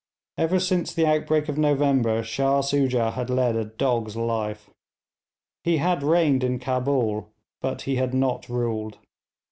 Ever since the outbreak of November Shah Soojah had led a dog's life. He had reigned in Cabul, but he had not ruled.